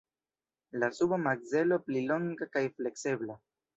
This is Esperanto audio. La suba makzelo pli longa kaj fleksebla.